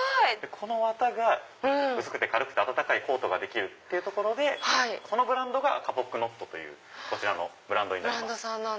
この綿が薄くて軽くて暖かいコートができるというところでそのブランドがＫＡＰＯＫＫＮＯＴというこちらのブランドになります。